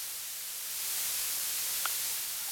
لمونځ نه ځنډیږي.